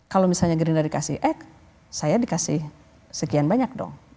kalau misalnya gerindra dikasih eg saya dikasih sekian banyak dong